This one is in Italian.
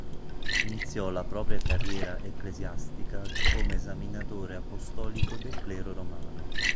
Iniziò la propria carriera ecclesiastica come esaminatore apostolico del clero romano.